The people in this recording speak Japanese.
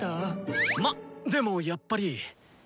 まっでもやっぱり。